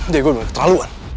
dia gue bener bener keterlaluan